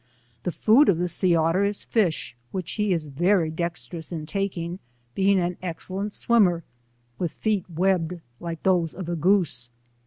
The food of the sea otter is fish, which he is very dexterous in taking, being an excellent swimmer, with feel webbed like those of a goose.